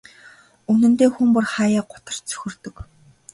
Үнэндээ хүн бүр хааяа гутарч цөхөрдөг.